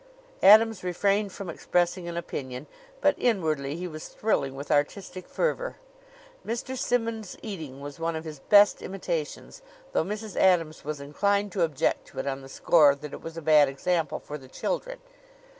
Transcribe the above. Adams refrained from expressing an opinion, but inwardly he was thrilling with artistic fervor. Mr. Simmonds eating, was one of his best imitations, though Mrs. Adams was inclined to object to it on the score that it was a bad example for the children.